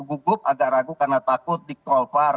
gugup agak ragu karena takut di call var